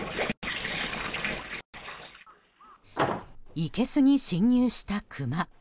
いけすに侵入したクマ。